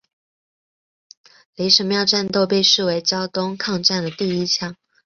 雷神庙战斗被视为胶东抗战的第一枪。